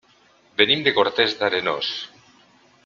Venim de Cortes d'Arenós.